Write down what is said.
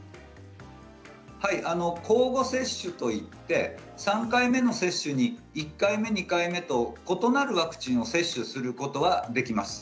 はい、交互接種といって３回目の接種に１回目、２回目と異なるワクチンを接種することができます。